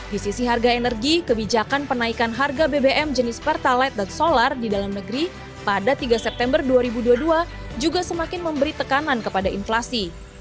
di sisi harga energi kebijakan penaikan harga bbm jenis pertalite dan solar di dalam negeri pada tiga september dua ribu dua puluh dua juga semakin memberi tekanan kepada inflasi